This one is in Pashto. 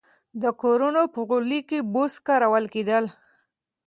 د کورونو په غولي کې بوس کارول کېدل.